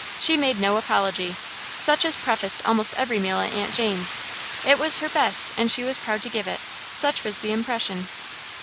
She made no apology, such as prefaced almost every meal at Aunt Jane's. It was her best, and she was proud to give it such was the impression.